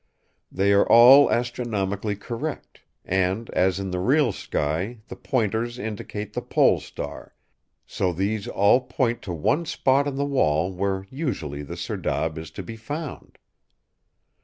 They are all astronomically correct; and as in the real sky the Pointers indicate the Pole Star, so these all point to one spot in the wall where usually the serdab is to be found!